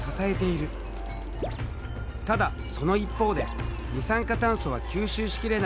ただその一方で二酸化炭素は吸収しきれないほど増えてしまった。